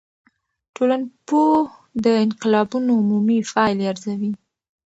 ټولنپوه د انقلابونو عمومي پایلي ارزوي.